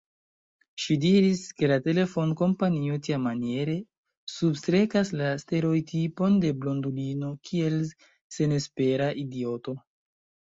Ŝi diris, ke la telefonkompanio tiamaniere substrekas la stereotipon de blondulino kiel senespera idioto.